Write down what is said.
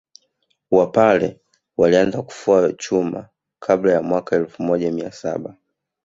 Wapare walianza kufua chuma kabla ya mwaka elfu moja mia saba